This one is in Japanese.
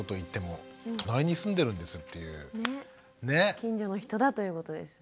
近所の人だということですね。